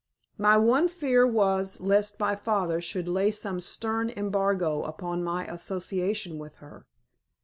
My one fear was lest my father should lay some stern embargo upon my association with her.